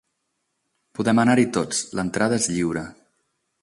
Podem anar-hi tots: l'entrada és lliure.